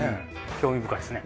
興味深いですね。